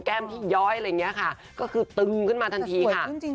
แก้มพี่ย้อยก็คือตึงขึ้นมาทันทีค่ะ